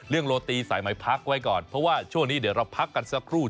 โรตีสายไหมพักไว้ก่อนเพราะว่าช่วงนี้เดี๋ยวเราพักกันสักครู่